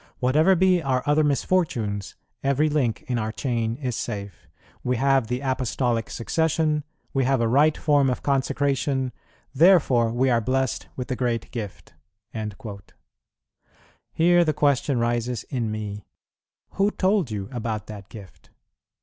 Whatever be our other misfortunes, every link in our chain is safe; we have the Apostolic Succession, we have a right form of consecration: therefore we are blessed with the great Gift." Here the question rises in me, "Who told you about that Gift?"